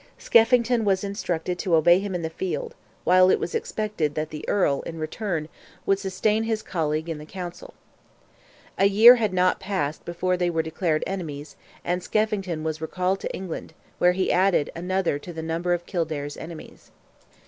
Skeffington was instructed to obey him in the field, while it was expected that the Earl, in return, would sustain his colleague in the Council. A year had not passed before they were declared enemies, and Skeffington was recalled to England, where he added another to the number of Kildare's enemies.